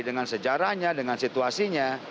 dengan sejarahnya dengan situasinya